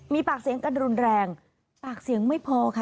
มีปากเสียงกันรุนแรงปากเสียงไม่พอค่ะ